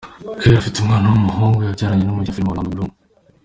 Kerr afite umwana w’umuhungu yabyaranye n’umukinnyi wa filime Orlando Bloom.